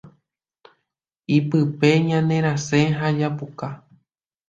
Ipype ñanerasẽ ha japuka.